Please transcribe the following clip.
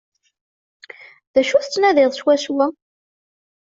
D acu tettnadid swaswa?